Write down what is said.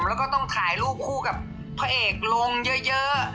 แล้วก็ต้องถ่ายรูปคู่กับพระเอกลงเยอะ